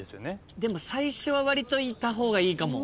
でも最初はわりといった方がいいかも。